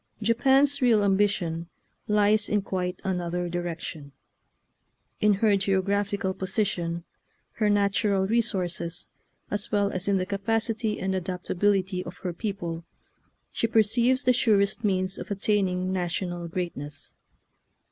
Japan's real ambition lies in quite an other direction. In her geographical po sition, her natural resources, as well as in the capacity and adaptability of her people, she perceives the surest means of attaining national greatness."